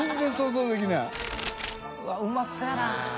うわっうまそうやな。